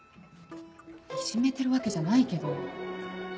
いじめてるわけじゃないけど。